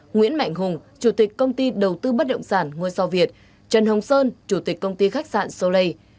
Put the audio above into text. nguyễn mạnh hùng chủ tịch công ty đầu tư bất động sản ngôi sao việt trần hồng sơn chủ tịch công ty khách sạn soleil